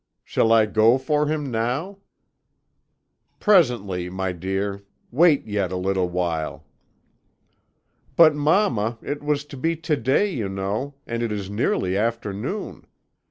Shall I go for him now?' "'Presently, my dear. Wait yet a little while.' "'But, mamma, it was to be to day, you know, and it is nearly afternoon.